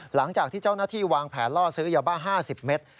หลังจากที่เจ้าหน้าที่วางแผนล่อซื้อยาบ้า๕๐เมตร